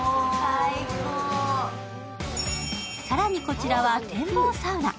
更に、こちらは展望サウナ。